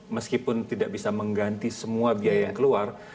meskipun tidak bisa mengganti semua biaya yang keluar